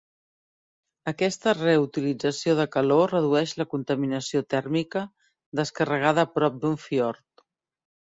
Aquesta reutilització de calor redueix la contaminació tèrmica descarregada a prop d'un fiord.